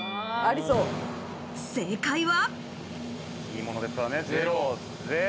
正解は？